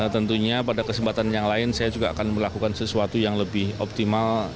tentunya pada kesempatan yang lain saya juga akan melakukan sesuatu yang lebih optimal